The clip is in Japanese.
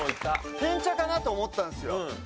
せん茶かなと思ったんですよ。